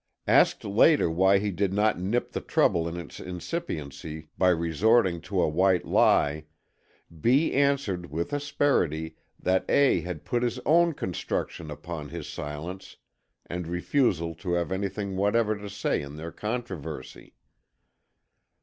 Asked later on why he did not nip the trouble in its incipiency by resorting to a white lie, B. answered with asperity that A. had put his own construction upon his silence and refusal to have anything whatever to say in their controversy.